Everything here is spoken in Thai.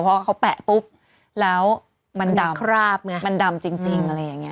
เพราะเขาแปะปุ๊บแล้วมันดำจริง